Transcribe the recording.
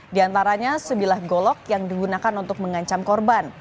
di antaranya sebilah golok yang digunakan untuk mengancam korban